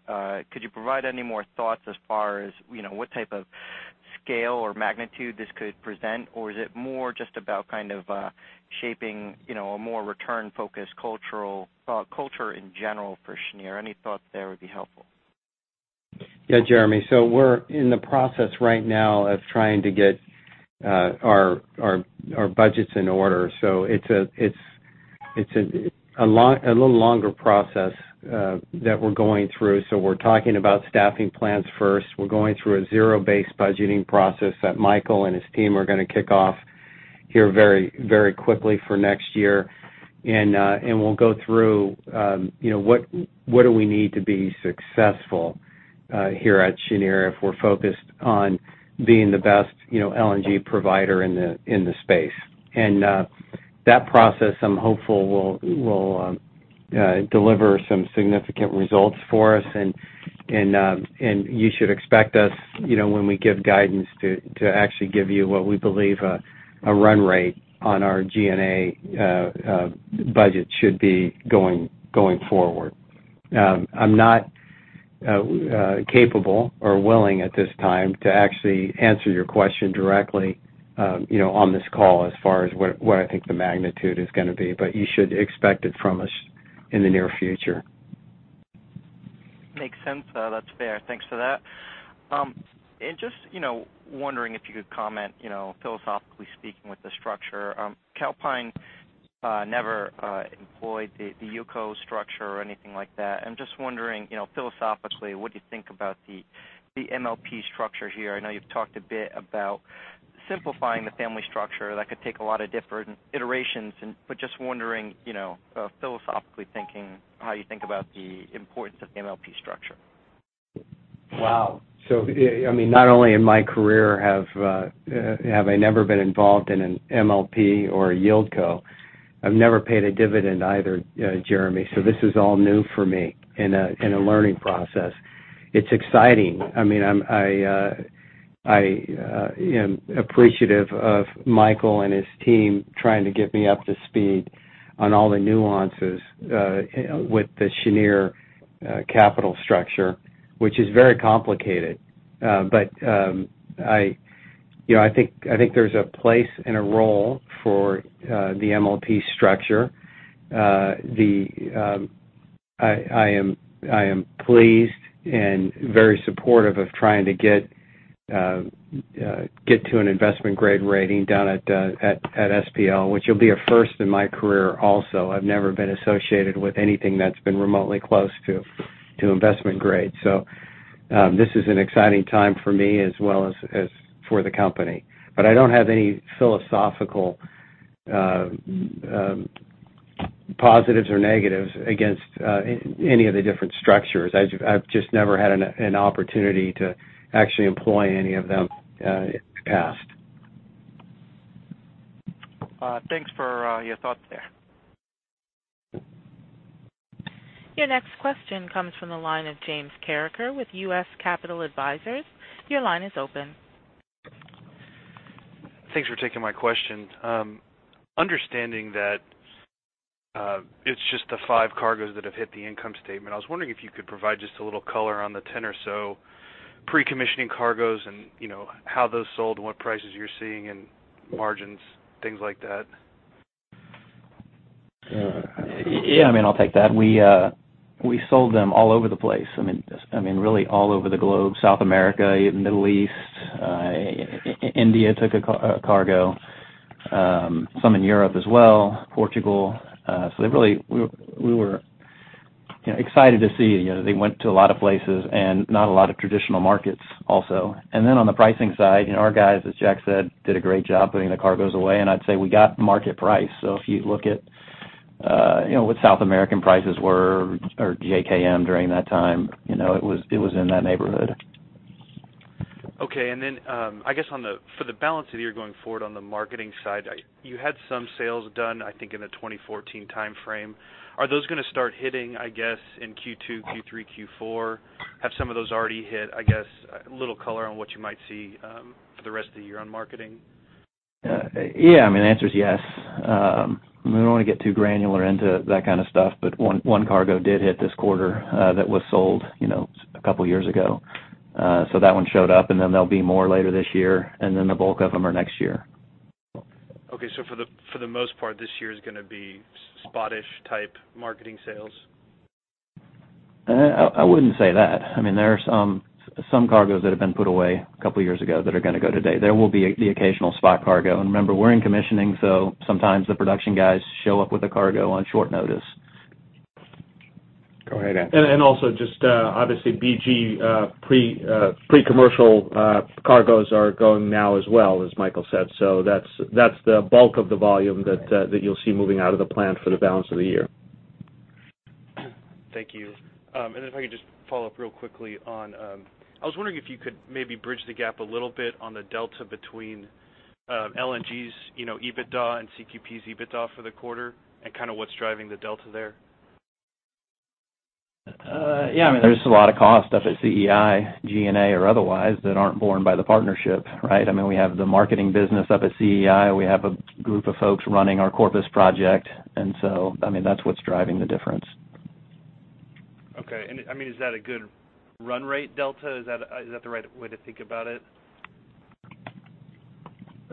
Speaker 8: could you provide any more thoughts as far as what type of scale or magnitude this could present? Or is it more just about kind of shaping a more return-focused culture in general for Cheniere? Any thoughts there would be helpful.
Speaker 3: Yeah, Jeremy. We're in the process right now of trying to get our budgets in order. It's a little longer process that we're going through. We're talking about staffing plans first. We're going through a zero-based budgeting process that Michael and his team are going to kick off here very quickly for next year. We'll go through what do we need to be successful here at Cheniere if we're focused on being the best LNG provider in the space. That process, I'm hopeful, will deliver some significant results for us and you should expect us, when we give guidance, to actually give you what we believe a run rate on our G&A budget should be going forward. I'm not capable or willing at this time to actually answer your question directly on this call as far as what I think the magnitude is going to be. You should expect it from us in the near future.
Speaker 8: Makes sense. That's fair. Thanks for that. Just wondering if you could comment philosophically speaking with the structure. Calpine never employed the yieldco structure or anything like that. I'm just wondering philosophically, what do you think about the MLP structure here? I know you've talked a bit about simplifying the family structure. That could take a lot of different iterations. Just wondering philosophically thinking how you think about the importance of the MLP structure.
Speaker 3: Wow. Not only in my career have I never been involved in an MLP or a yieldco, I've never paid a dividend either, Jeremy. This is all new for me and a learning process. It's exciting. I am appreciative of Michael and his team trying to get me up to speed on all the nuances with the Cheniere capital structure, which is very complicated. I think there's a place and a role for the MLP structure. I am pleased and very supportive of trying to get to an investment-grade rating down at SPL, which will be a first in my career also. I've never been associated with anything that's been remotely close to investment grade. This is an exciting time for me as well as for the company. I don't have any philosophical positives or negatives against any of the different structures. I've just never had an opportunity to actually employ any of them in the past.
Speaker 8: Thanks for your thoughts there.
Speaker 1: Your next question comes from the line of James Carreker with U.S. Capital Advisors. Your line is open.
Speaker 9: Thanks for taking my questions. Understanding that it's just the five cargoes that have hit the income statement, I was wondering if you could provide just a little color on the 10 or so pre-commissioning cargoes and how those sold and what prices you're seeing and margins, things like that.
Speaker 5: I'll take that. We sold them all over the place. Really all over the globe. South America, Middle East. India took a cargo. Some in Europe as well, Portugal. We were excited to see. They went to a lot of places and not a lot of traditional markets also. On the pricing side, our guys, as Jack said, did a great job putting the cargoes away, and I'd say we got market price. If you look at what South American prices were or JKM during that time, it was in that neighborhood.
Speaker 9: I guess for the balance of the year going forward on the marketing side, you had some sales done, I think in the 2014 timeframe. Are those going to start hitting, I guess, in Q2, Q3, Q4? Have some of those already hit? I guess a little color on what you might see for the rest of the year on marketing.
Speaker 5: The answer is yes. We don't want to get too granular into that kind of stuff, but one cargo did hit this quarter that was sold a couple of years ago. That one showed up, and then there'll be more later this year, and then the bulk of them are next year.
Speaker 9: For the most part, this year is going to be spottish-type marketing sales?
Speaker 5: I wouldn't say that. There are some cargoes that have been put away a couple of years ago that are going to go today. There will be the occasional spot cargo. Remember, we're in commissioning, so sometimes the production guys show up with a cargo on short notice.
Speaker 3: Go ahead, Anatol.
Speaker 4: Also just obviously BG pre-commercial cargoes are going now as well, as Michael said. That's the bulk of the volume that you'll see moving out of the plant for the balance of the year.
Speaker 9: Thank you. Then if I could just follow up real quickly, I was wondering if you could maybe bridge the gap a little bit on the delta between LNG's EBITDA and CQP's EBITDA for the quarter and kind of what's driving the delta there.
Speaker 5: Yeah. There's a lot of cost up at CEI, G&A or otherwise, that aren't borne by the partnership, right? We have the marketing business up at CEI. We have a group of folks running our Corpus project. That's what's driving the difference.
Speaker 9: Okay. Is that a good run rate delta? Is that the right way to think about it?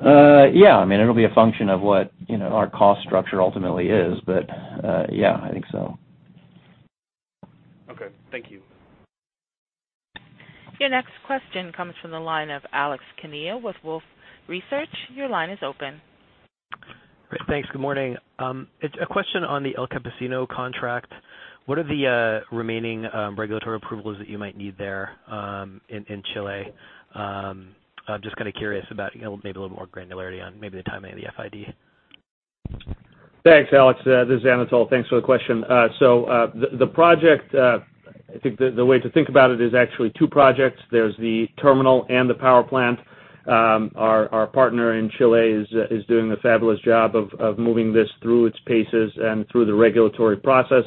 Speaker 5: Yeah. It'll be a function of what our cost structure ultimately is. Yeah, I think so.
Speaker 9: Okay. Thank you.
Speaker 1: Your next question comes from the line of Alex Kania with Wolfe Research. Your line is open.
Speaker 10: Great. Thanks. Good morning. It's a question on the El Campesino contract. What are the remaining regulatory approvals that you might need there in Chile? Just kind of curious about maybe a little more granularity on maybe the timing of the FID.
Speaker 4: Thanks, Alex. This is Anatol. Thanks for the question. The project, I think the way to think about it is actually two projects. There's the terminal and the power plant. Our partner in Chile is doing a fabulous job of moving this through its paces and through the regulatory process.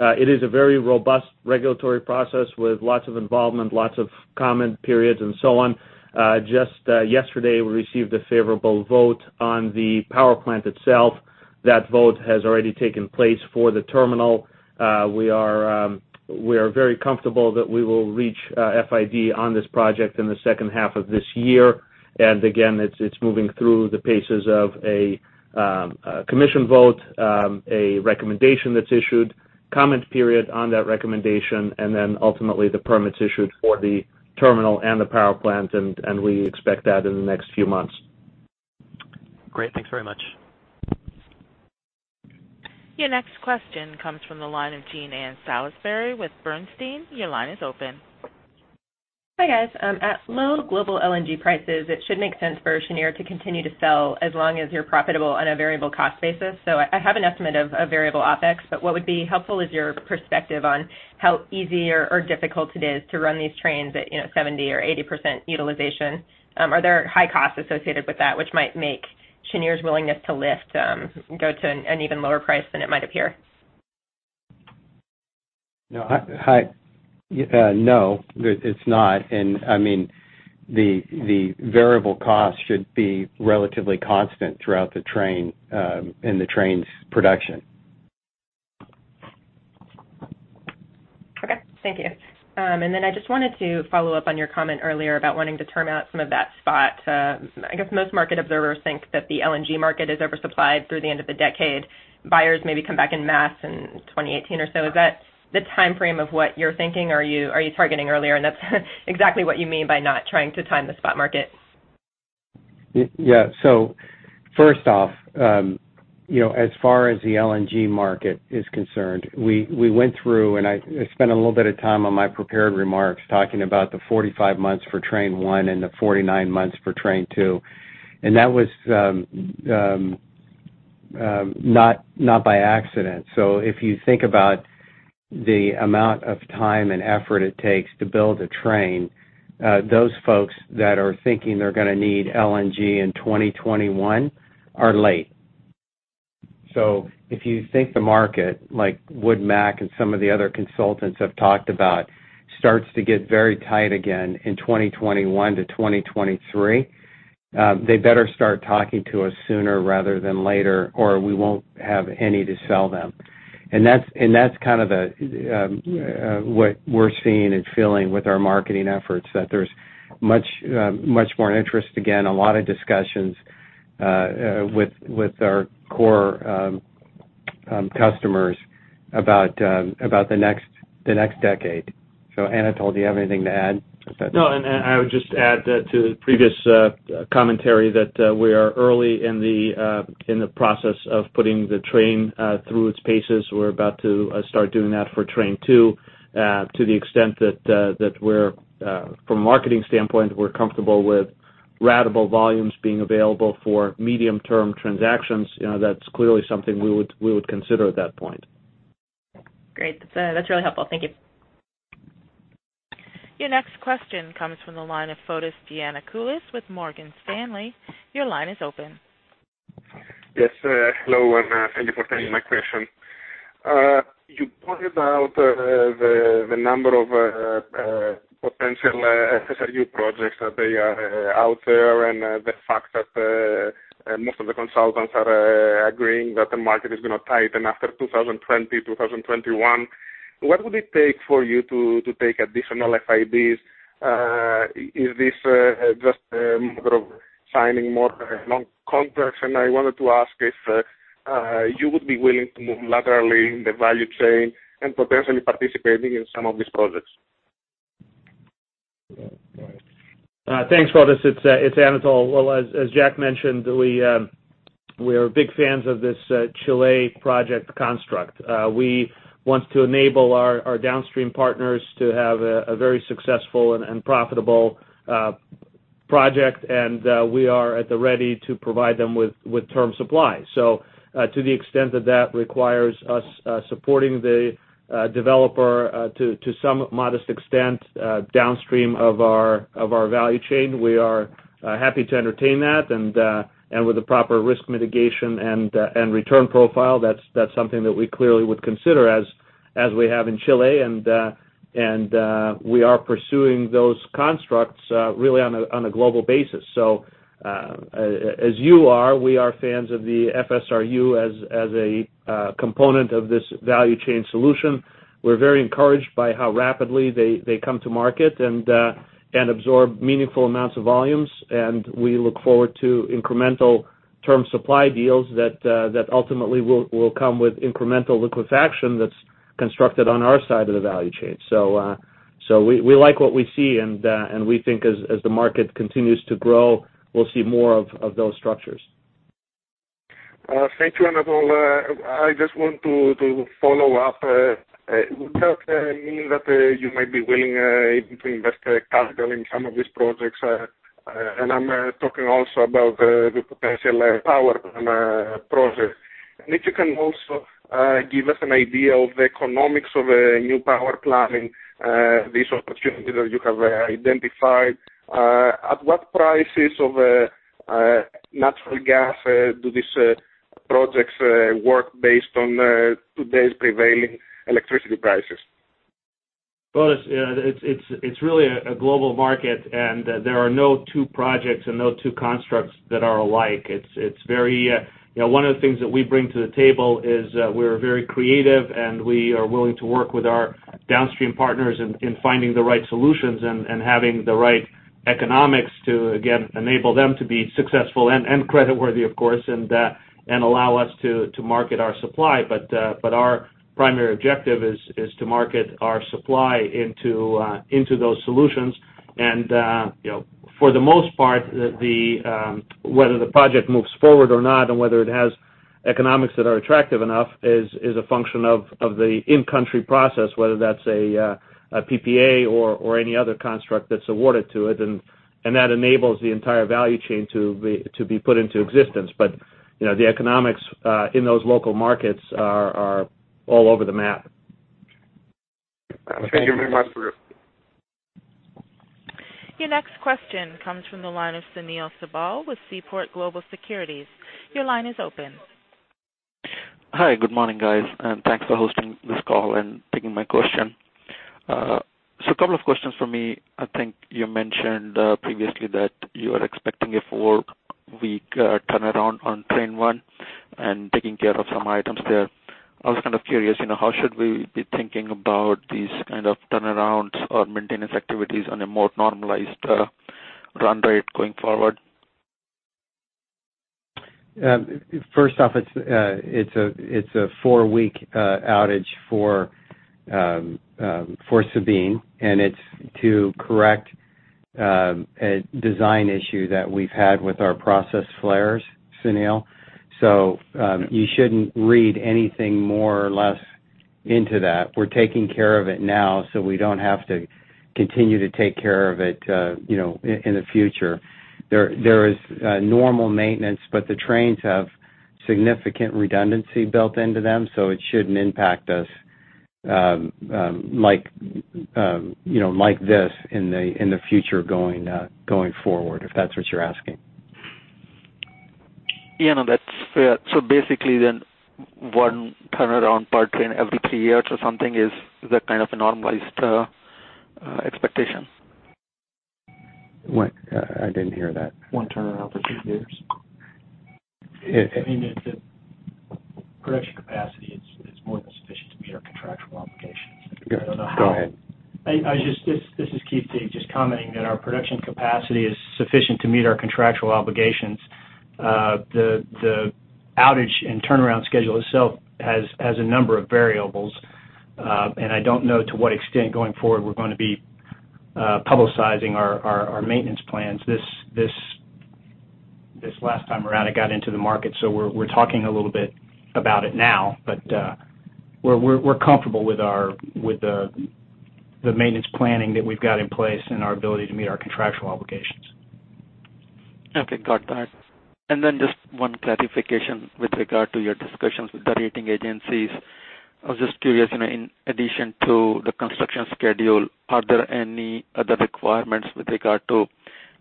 Speaker 4: It is a very robust regulatory process with lots of involvement, lots of comment periods, and so on. Just yesterday, we received a favorable vote on the power plant itself. That vote has already taken place for the terminal. We are very comfortable that we will reach FID on this project in the second half of this year. Again, it's moving through the paces of a commission vote, a recommendation that's issued, comment period on that recommendation, and then ultimately the permits issued for the terminal and the power plant. We expect that in the next few months.
Speaker 10: Great. Thanks very much.
Speaker 1: Your next question comes from the line of Jean Ann Salisbury with Bernstein. Your line is open.
Speaker 11: Hi, guys. At low global LNG prices, it should make sense for Cheniere to continue to sell as long as you're profitable on a variable cost basis. I have an estimate of variable OpEx, but what would be helpful is your perspective on how easy or difficult it is to run these trains at 70% or 80% utilization. Are there high costs associated with that which might make Cheniere's willingness to lift go to an even lower price than it might appear?
Speaker 3: No, it's not. The variable cost should be relatively constant throughout the train, in the train's production.
Speaker 11: Okay. Thank you. I just wanted to follow up on your comment earlier about wanting to term out some of that spot. I guess most market observers think that the LNG market is oversupplied through the end of the decade. Buyers maybe come back in mass in 2018 or so. Is that the timeframe of what you're thinking? Are you targeting earlier, and that's exactly what you mean by not trying to time the spot market?
Speaker 3: Yeah. First off, as far as the LNG market is concerned, we went through, and I spent a little bit of time on my prepared remarks talking about the 45 months for Train 1 and the 49 months for Train 2. That was not by accident. If you think about the amount of time and effort it takes to build a train, those folks that are thinking they're going to need LNG in 2021 are late. If you think the market, like Wood Mackenzie and some of the other consultants have talked about, starts to get very tight again in 2021-2023, they better start talking to us sooner rather than later, or we won't have any to sell them. That's kind of what we're seeing and feeling with our marketing efforts, that there's much more interest, again, a lot of discussions with our core customers about the next decade. Anatol, do you have anything to add?
Speaker 4: No. I would just add that to the previous commentary that we are early in the process of putting the train through its phases. We're about to start doing that for Train 2 to the extent that from a marketing standpoint, we're comfortable with ratable volumes being available for medium-term transactions. That's clearly something we would consider at that point.
Speaker 3: Great. That's really helpful. Thank you.
Speaker 1: Your next question comes from the line of Fotis Giannakoulis with Morgan Stanley. Your line is open.
Speaker 12: Yes. Hello, thank you for taking my question. You pointed out the number of potential FSRU projects that they are out there and the fact that most of the consultants are agreeing that the market is going to tighten after 2020, 2021. What would it take for you to take additional FIDs? Is this just a matter of signing more long contracts? I wanted to ask if you would be willing to move laterally in the value chain and potentially participating in some of these projects.
Speaker 4: Thanks, Fotis. It's Anatol. Well, as Jack mentioned, we are big fans of this Chile project construct. We want to enable our downstream partners to have a very successful and profitable project. We are at the ready to provide them with term supply. To the extent that requires us supporting the developer to some modest extent downstream of our value chain, we are happy to entertain that and with the proper risk mitigation and return profile. That's something that we clearly would consider as we have in Chile. We are pursuing those constructs really on a global basis. As you are, we are fans of the FSRU as a component of this value chain solution. We're very encouraged by how rapidly they come to market and absorb meaningful amounts of volumes. We look forward to incremental term supply deals that ultimately will come with incremental liquefaction that's constructed on our side of the value chain. We like what we see, and we think as the market continues to grow, we'll see more of those structures.
Speaker 12: Thank you, Anatol. I just want to follow up. Would that mean that you might be willing even to invest capital in some of these projects? I'm talking also about the potential power project. If you can also give us an idea of the economics of a new power plant in these opportunities that you have identified. At what prices of natural gas do these projects work based on today's prevailing electricity prices?
Speaker 4: Fotis, it's really a global market, and there are no two projects and no two constructs that are alike. One of the things that we bring to the table is we're very creative and we are willing to work with our downstream partners in finding the right solutions and having the right economics to, again, enable them to be successful and creditworthy, of course, and allow us to market our supply. Our primary objective is to market our supply into those solutions. For the most part, whether the project moves forward or not and whether it has economics that are attractive enough is a function of the in-country process, whether that's a PPA or any other construct that's awarded to it. That enables the entire value chain to be put into existence. The economics in those local markets are all over the map.
Speaker 12: Thank you very much.
Speaker 1: Your next question comes from the line of Sunil Sibal with Seaport Global Securities. Your line is open.
Speaker 13: Hi, good morning, guys. Thanks for hosting this call and taking my question. A couple of questions from me. I think you mentioned previously that you are expecting a four-week turnaround on Train 1 and taking care of some items there. I was kind of curious, how should we be thinking about these kind of turnarounds or maintenance activities on a more normalized run rate going forward?
Speaker 3: First off, it's a four-week outage for Sabine, and it's to correct a design issue that we've had with our process flares, Sunil. You shouldn't read anything more or less into that. We're taking care of it now so we don't have to continue to take care of it in the future. There is normal maintenance, but the trains have significant redundancy built into them, so it shouldn't impact us like this in the future going forward, if that's what you're asking.
Speaker 13: Yeah. Basically one turnaround per train every three years or something, is that kind of a normalized expectation?
Speaker 3: What? I didn't hear that.
Speaker 14: One turnaround for three years.
Speaker 3: Yes.
Speaker 14: I mean, the production capacity is more than sufficient to meet our contractual obligations. I don't know.
Speaker 3: Go ahead.
Speaker 14: This is Keith Teague just commenting that our production capacity is sufficient to meet our contractual obligations. The outage and turnaround schedule itself has a number of variables. I don't know to what extent going forward we're going to be publicizing our maintenance plans. This last time around, it got into the market. We're talking a little bit about it now, but we're comfortable with the maintenance planning that we've got in place and our ability to meet our contractual obligations.
Speaker 13: Okay. Got that. Then just one clarification with regard to your discussions with the rating agencies. I was just curious, in addition to the construction schedule, are there any other requirements with regard to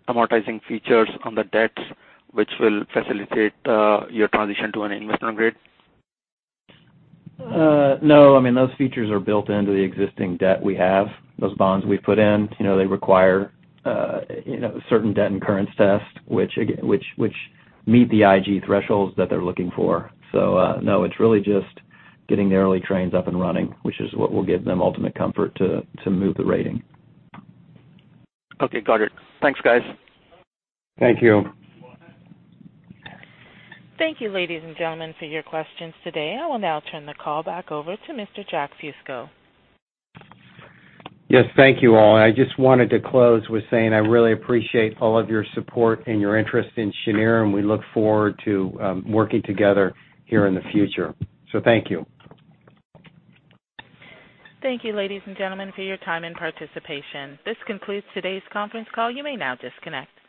Speaker 13: amortizing features on the debts which will facilitate your transition to an investment grade?
Speaker 3: No. Those features are built into the existing debt we have. Those bonds we put in. They require certain debt incurrence tests which meet the IG thresholds that they're looking for. No, it's really just getting the early trains up and running, which is what will give them ultimate comfort to move the rating.
Speaker 13: Okay, got it. Thanks, guys.
Speaker 3: Thank you.
Speaker 1: Thank you, ladies and gentlemen, for your questions today. I will now turn the call back over to Mr. Jack Fusco.
Speaker 3: Yes. Thank you all. I just wanted to close with saying I really appreciate all of your support and your interest in Cheniere, and we look forward to working together here in the future. Thank you.
Speaker 1: Thank you, ladies and gentlemen, for your time and participation. This concludes today's conference call. You may now disconnect.